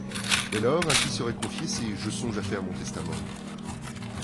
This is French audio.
Dès lors, à qui seraient confiées ces « je songe à faire mon testament.